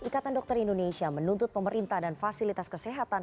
ikatan dokter indonesia menuntut pemerintah dan fasilitas kesehatan